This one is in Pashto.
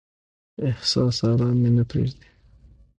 احساس ارام مې نه پریږدي.